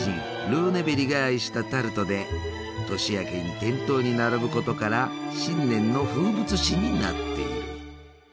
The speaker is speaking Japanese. ルーネベリが愛したタルトで年明けに店頭に並ぶことから新年の風物詩になっている。